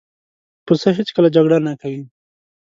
پسه هېڅکله جګړه نه کوي.